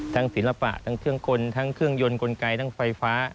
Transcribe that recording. ศิลปะทั้งเครื่องกลทั้งเครื่องยนต์กลไกทั้งไฟฟ้า